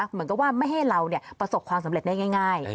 เหมือนกับว่าไม่ให้เราประสบความสำเร็จได้ง่าย